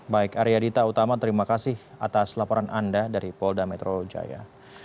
baik arya dita utama terima kasih atas laporan anda dari polda metro jaya